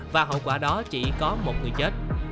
và hậu quả đó chỉ có một người chết